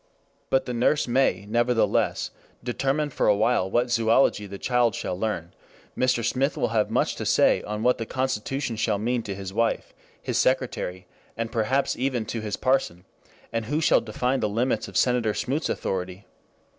But the nurse may nevertheless determine for a while what zoology the child shall learn, Mr. Smith will have much to say on what the Constitution shall mean to his wife, his secretary, and perhaps even to his parson, and who shall define the limits of Senator Smoot's authority?